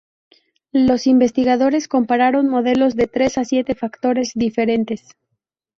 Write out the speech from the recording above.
Los investigadores compararon modelos de tres a siete factores diferentes.